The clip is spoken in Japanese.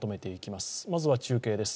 まずは中継です